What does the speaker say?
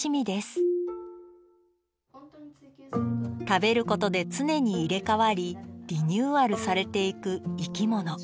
食べることで常に入れ替わりリニューアルされていく生き物。